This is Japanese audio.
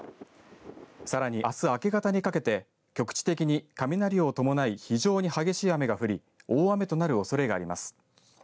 さらに、あす明け方にかけて局地的に雷を伴い非常に激しい雨が降り大雨となるおそれがあります。